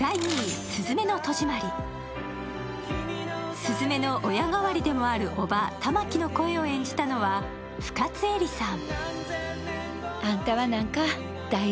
鈴芽の親代わりでもある叔母、環の声を演じたのは深津絵里さん。